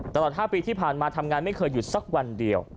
ตลอด๕ปีที่ผ่านมาทำงานไม่เคยหยุดสักวันเดียว